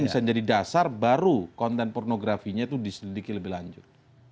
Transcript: bisa jadi dasar baru konten pornografinya itu diselidiki lebih lanjut